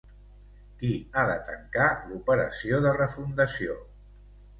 Qui ha de tancar l'operació de refundació?